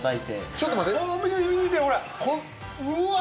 ちょっと待って。